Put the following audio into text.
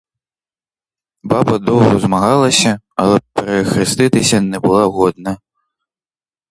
Баба довго змагалася, але перехреститися не була годна.